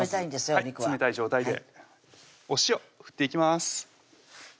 お肉は冷たい状態でお塩振っていきます